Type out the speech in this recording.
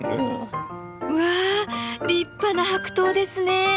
わあ立派な白桃ですね。